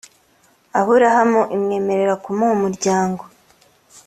Aburahamu imwemerera kumuha umuryango